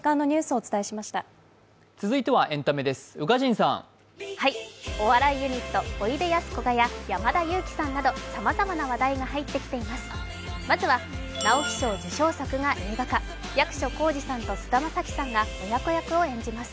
おいでやすこがや山田裕貴さんなどさまざまな話題が入ってきています。